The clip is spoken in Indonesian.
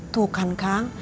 tuh kan kang